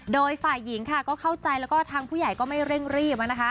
โดยฝ่ายหญิงค่ะก็เข้าใจแล้วก็ทางผู้ใหญ่ก็ไม่เร่งรีบ